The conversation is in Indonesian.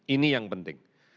ini yang penting